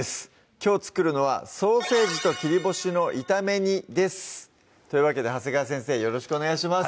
きょう作るのは「ソーセージと切り干しの炒め煮」ですというわけで長谷川先生よろしくお願いします